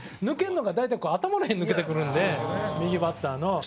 抜けるのが大体こう頭ら辺に抜けてくるんで右バッターの。